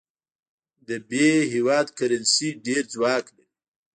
د ب هیواد کرنسي ډېر ځواک لري.